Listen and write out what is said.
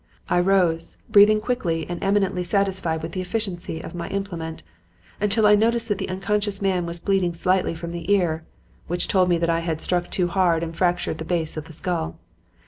I rose, breathing quickly and eminently satisfied with the efficiency of my implement until I noticed that the unconscious man was bleeding slightly from the ear; which told me that I had struck too hard and fractured the base of the skull.